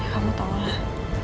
kamu tau lah